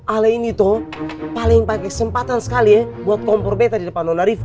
alay ini toh paling pakai kesempatan sekali ya buat kompor bete di depan nona riva